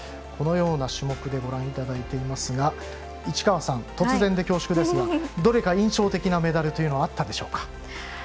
このような種目でご覧いただいていますが市川さん、突然で恐縮ですがどれか印象的なメダルというのはあったでしょうか。